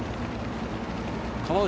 川内